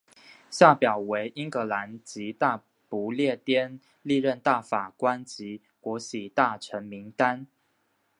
下表为英格兰及大不列颠历任大法官及国玺大臣名单。